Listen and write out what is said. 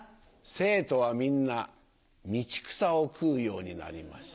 生徒はみんなミチクサを食うようになりました。